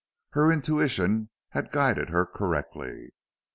Her intuition had guided her correctly.